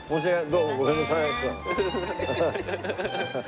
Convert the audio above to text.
どうもごめんなさい。